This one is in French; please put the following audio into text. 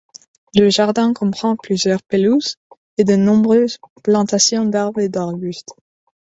Le jardin comprend plusieurs pelouses et de nombreuses plantations d'arbres et d'arbustes.